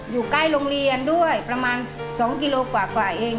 อยู่ใกล้โรงเรียนด้วยประมาณ๒กิโลกว่าเอง